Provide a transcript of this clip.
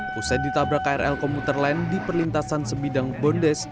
pusat ditabrak krl komuter lend di perlintasan semidang bondes